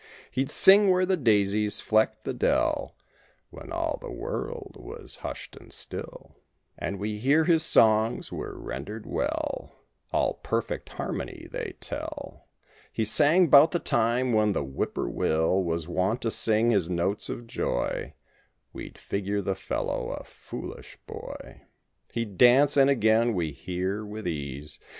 He'd sing where the daisies flecked the dell: When all the world was hushed and still; And we hear his songs were rendered well— All perfect harmony, they tell. He sang 'bout the time when the whippoorwill Was wont to sing his notes of joy— We'd figure the fellow a foolish boy. He'd dance, and again, we hear, with ease.